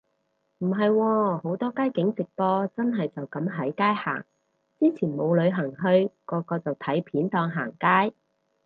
唔係喎，好多街景直播真係就噉喺街行，之前冇旅行去個個就睇片當行街